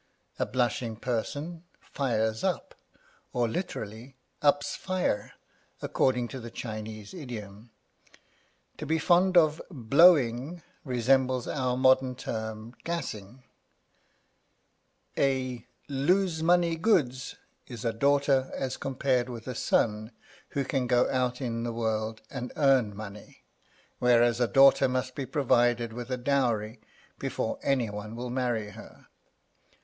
A blushing person fires up, or literally, ups fire, according to the Chinese idiom. To be fond of blowing resembles our modern term gassing. A lose money goods is a daughter as compared with a son who can go out in the world and earn money, whereas a daughter must be provided with a dowry before any one will marry her.